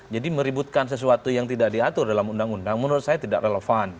jadi meributkan sesuatu yang tidak diatur dalam undang undang menurut saya tidak relevan